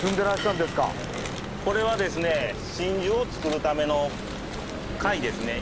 これはですね真珠を作るための貝ですね。